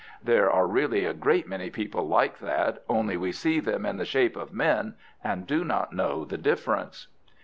There are really a great many people like that, only we see them in the shape of men and do not know the difference.